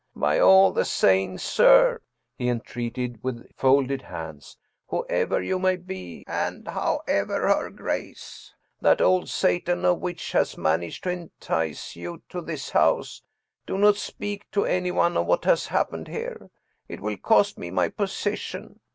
" By all the saints, sir," he entreated with folded hands, " who ever you may be, and however her grace, that old Satan of a witch has managed to entice you to this house, do not speak to anyone of what has happened here. It will cost me my position.